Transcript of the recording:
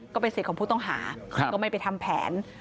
ก็เป็นสิทธิ์ของผู้ต้องหาก็ไม่ไปทำแผน